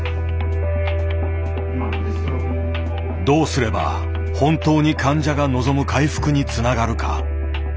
どうすれば本当に患者が望む回復につながるか。